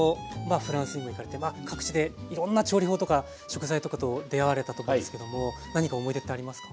フランスにも行かれて各地でいろんな調理法とか食材とかと出会われたと思うんですけども何か思い出ってありますか？